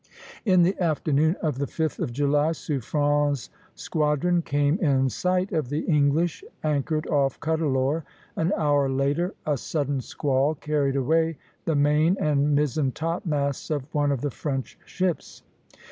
In the afternoon of the 5th of July Suffren's squadron came in sight of the English, anchored off Cuddalore. An hour later, a sudden squall carried away the main and mizzen topmasts of one of the French ships.